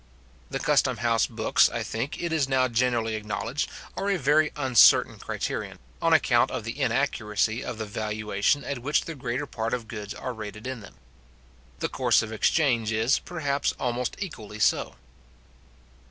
The custom house books, I think, it is now generally acknowledged, are a very uncertain criterion, on account of the inaccuracy of the valuation at which the greater part of goods are rated in them. The course of exchange is, perhaps, almost equally so.